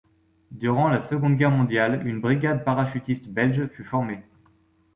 Durant la Seconde Guerre mondiale, une brigade parachutiste belge fut formée.